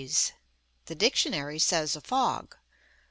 The dictionary says, "a fog."